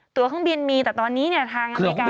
ตัวเครื่องบินมีแต่ตอนนี้ทางอเมริกา